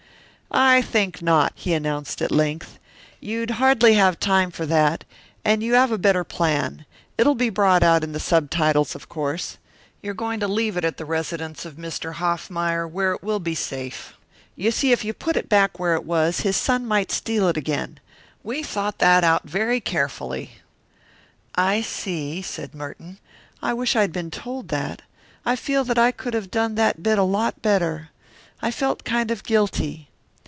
"I think not," he announced at length. "You'd hardly have time for that, and you have a better plan. It'll be brought out in the subtitles, of course. You are going to leave it at the residence of Mr. Hoffmeyer, where it will be safe. You see, if you put it back where it was, his son might steal it again. We thought that out very carefully." "I see," said Merton. "I wish I had been told that. I feel that I could have done that bit a lot better. I felt kind of guilty."